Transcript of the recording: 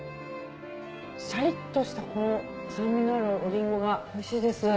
シャリっとしたこの酸味のあるリンゴがおいしいです。